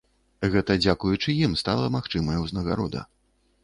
Гэта дзякуючы ім стала магчымая ўзнагарода.